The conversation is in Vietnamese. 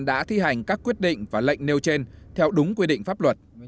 đã thi hành các quyết định và lệnh nêu trên theo đúng quy định pháp luật